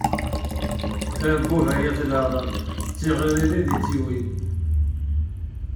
Abbuh, ay at leεṛaḍ! Tiɣiṛin i tid-wwin!